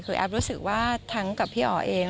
คือแอฟรู้สึกว่าทั้งกับพี่อ๋อเอง